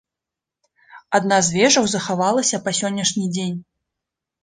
Адна з вежаў захавалася па сённяшні дзень.